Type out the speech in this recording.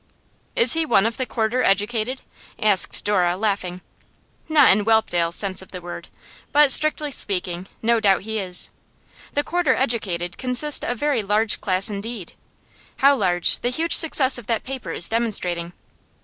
'Is he one of the quarter educated?' asked Dora, laughing. 'Not in Whelpdale's sense of the word. But, strictly speaking, no doubt he is. The quarter educated constitute a very large class indeed; how large, the huge success of that paper is demonstrating.